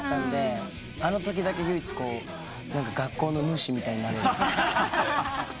あのときだけ唯一学校の主みたいになれる。